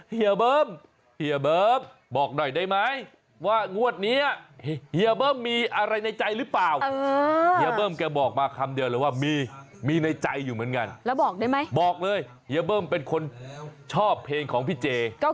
เฮ้ยเฮียเบิ้มเป็นคนชอบเพลงของพี่เจ